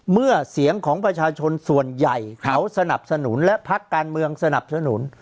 เมื่อเสียงของประชาชนส่วนใหญ่เขาสนับสนุนและพักการเมืองสนับสนุน